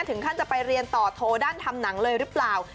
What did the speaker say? ถึงขั้นจะไปเรียนต่อโทรด้านทำหนังเลยหรือเปล่า